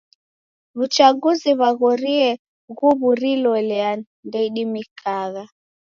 W'uchaguzi w'aghorie ghuw'uriloela ndeidimikagha.